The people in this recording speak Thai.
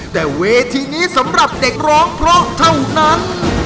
แต่เวทีนี้สำหรับเด็กร้องเพราะเท่านั้น